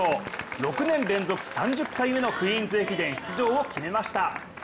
６年連続３０回目のクイーンズ駅伝出場を決めました